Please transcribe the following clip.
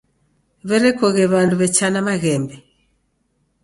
W'erekoghe w'andu w'echana maghembe.